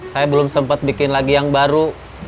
saya belum sempat bikin lagi yang baru